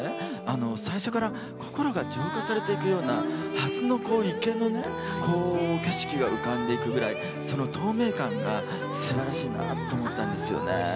最初から心が浄化されていくようなはすの池の景色が浮かんでいくぐらいその透明感がすばらしいなと思ったんですよね。